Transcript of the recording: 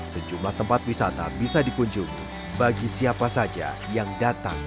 sejumlah tempat wisata bisa dikunjungi bagi siapa saja yang datang